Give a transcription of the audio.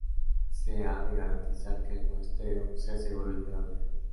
Se ha de garantizar que el muestreo sea seguro y fiable.